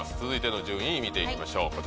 続いての順位見ていきましょう。